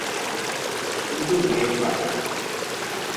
কিন্তু মেয়ে পারবে না।